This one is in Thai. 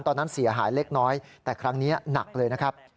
ตอนนั้นเสียหายเล็กน้อยแต่ครั้งนี้หนักเลยนะครับ